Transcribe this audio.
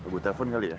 gua telepon kali ya